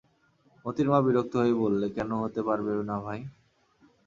মোতির মা বিরক্ত হয়েই বললে, কেন হতে পারবে না ভাই?